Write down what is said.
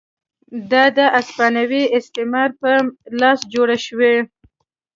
دا د هسپانوي استعمار په لاس جوړ شوي وو.